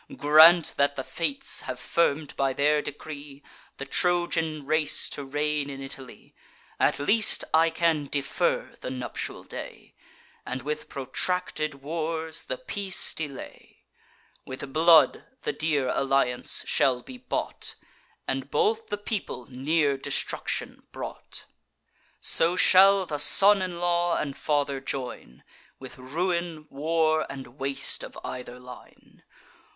Grant that the Fates have firm'd, by their decree, The Trojan race to reign in Italy; At least I can defer the nuptial day, And with protracted wars the peace delay: With blood the dear alliance shall be bought, And both the people near destruction brought; So shall the son in law and father join, With ruin, war, and waste of either line.